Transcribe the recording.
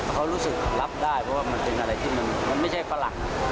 เขารู้สึกรับได้เพราะว่ามันเป็นอะไรที่มันไม่ใช่ฝรั่ง